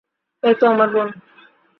এইতো আমার বোন।